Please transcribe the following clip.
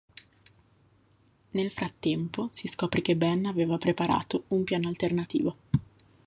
Nel frattempo si scopre che Ben aveva preparato un piano alternativo.